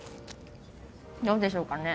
どうでしょうかね？